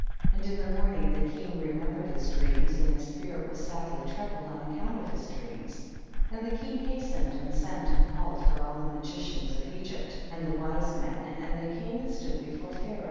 6. And in the morning the king remembered his dreams, and his spirit was sadly troubled on account of his dreams, and the king hastened and sent and called for all the magi cians of Egypt, and the wise men, and they came and stood before Pha raoh.